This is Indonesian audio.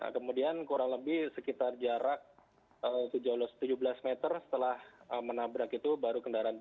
kemudian kurang lebih sekitar jarak tujuh belas meter setelah menambah